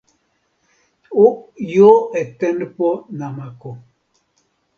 o jo e tenpo namako.